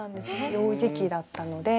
幼児期だったので。